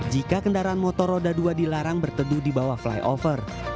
jika kendaraan motor roda dua dilarang berteduh di bawah flyover